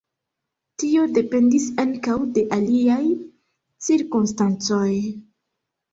Tio dependis ankaŭ de aliaj cirkonstancoj.